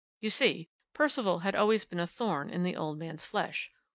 "You see, Percival had always been a thorn in the old man's flesh.